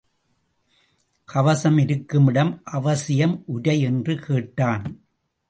கவசம் இருக்கும் இடம் அவசியம் உரை என்று கேட்டான்.